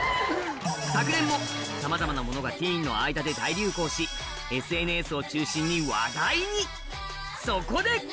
昨年もさまざまなものがティーンの間で大流行しＳＮＳを中心に話題にそこで！